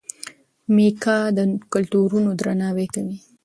میکا د کلتورونو درناوی کوي.